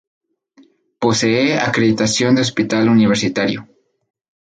Posee acreditación de hospital universitario.